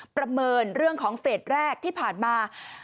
ประเมินเรื่องของเฟสแรกที่ผ่านมา